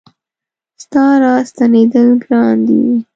ستا را ستنېدل ګران دي